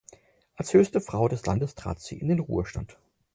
Als höchste Frau des Landes trat sie in den Ruhestand.